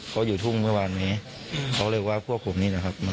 เขาอยู่ทุ่งเมื่อวานนี้เขาเลยว่าพวกผมนี่แหละครับ